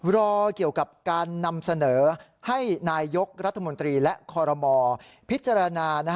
รอเกี่ยวกับการนำเสนอให้นายยกรัฐมนตรีและคอรมอพิจารณา